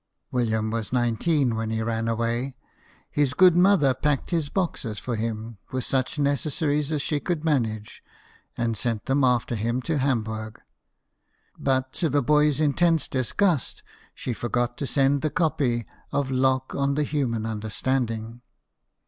William was nineteen when he ran away. His good mother packed his boxes for him with such necessaries as she could manage, and sent them after him to Hamburg ; but, to the boy's intense disgust, she forgot to send the copy of " Locke on the Human Understanding."